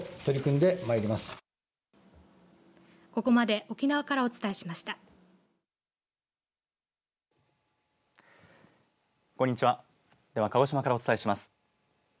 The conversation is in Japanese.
では、鹿児島からお伝えします。